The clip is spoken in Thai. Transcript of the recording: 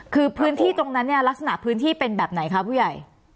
คือพื้นที่ตรงนั้นเนี่ยลักษณะพื้นที่เป็นแบบไหนคะผู้ใหญ่